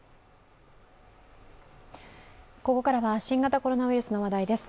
ここからは新型コロナウイルスの話題です。